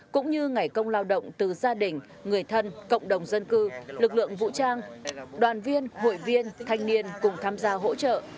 cũng như ngày công lao động từ gia đình người thân cộng đồng dân cư lực lượng vũ trang đoàn viên hội viên thanh niên cùng tham gia hỗ trợ